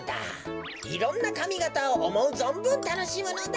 いろんなかみがたをおもうぞんぶんたのしむのだ。